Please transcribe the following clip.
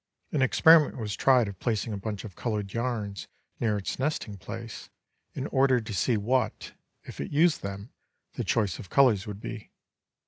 An experiment was tried of placing a bunch of colored yarns near its nesting place, in order to see what, if it used them, the choice of colors would be.